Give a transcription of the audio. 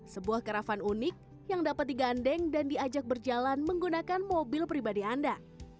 sebuah karavan unik yang dapat digandeng dan diajak berjalan menggunakan mobil pribadi anda